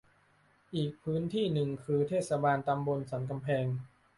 อีกพื้นที่หนึ่งคือ เทศบาลตำบลสันกำแพง